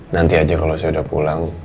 nanti aja kalau saya udah pulang